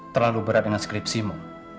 terlalu berat dengan skripsimu